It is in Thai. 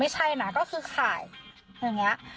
ไม่ใช่ค่ะก็คลอดหล่ม